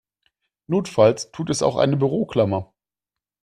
Notfalls tut es auch eine Büroklammer.